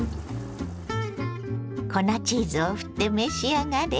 粉チーズをふって召し上がれ。